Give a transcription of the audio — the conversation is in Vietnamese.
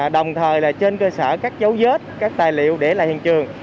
đồng thời là trên cơ sở các dấu vết các tài liệu để lại hiện trường